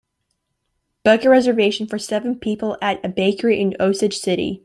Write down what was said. Book a reservation for seven people at a bakery in Osage City